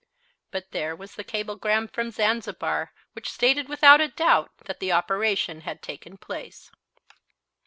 But there was the cablegram from Zanzibar which stated without a doubt that the operation had taken place.